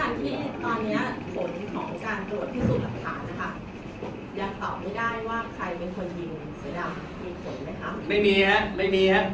ยังตอบไม่ได้ว่าใครเป็นคนยิงสายดาวมีผลไหมครับไม่มีฮะไม่มีฮะ